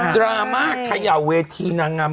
ดราม่าเขย่าเวทีนางงาม